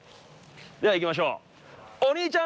では行きましょう。